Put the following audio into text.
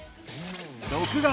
６月。